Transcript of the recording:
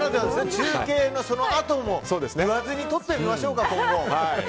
中継のそのあとも言わずに撮ってみましょうか。